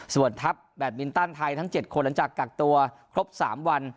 ส่วนทัพแบตมินตันไทยทั้ง๗คนหลังจากกักตัวครบ๓วัน